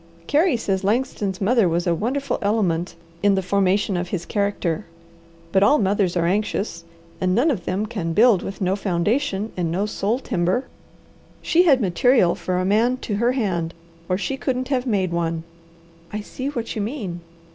Carey says Langston's mother was a wonderful element in the formation of his character; but all mothers are anxious, and none of them can build with no foundation and no soul timber. She had material for a man to her hand, or she couldn't have made one." "I see what you mean."